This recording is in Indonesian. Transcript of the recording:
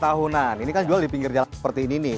tahunan ini kan jual di pinggir jalan seperti ini nih